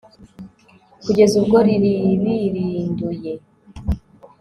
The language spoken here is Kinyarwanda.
kugeza ubwo riribirinduye